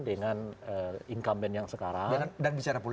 dengan incumbent yang sekarang